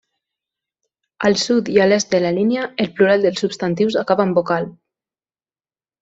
Al sud i a l'est de la línia, el plural dels substantius acaba en vocal.